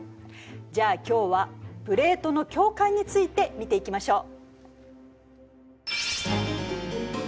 じゃあ今日は「プレートの境界」について見ていきましょう。